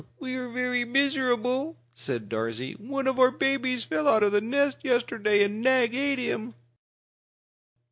"We are very miserable," said Darzee. "One of our babies fell out of the nest yesterday and Nag ate him."